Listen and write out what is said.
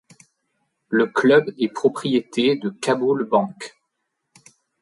Le club est propriété de Kabul Bank.